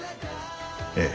ええ。